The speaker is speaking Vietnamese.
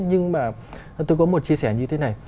nhưng mà tôi có một chia sẻ như thế này